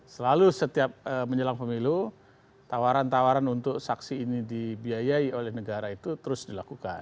selalu setiap menjelang pemilu tawaran tawaran untuk saksi ini dibiayai oleh negara itu terus dilakukan